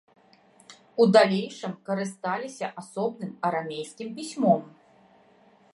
У далейшым карысталіся асобным арамейскім пісьмом.